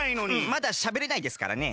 まだしゃべれないですからね。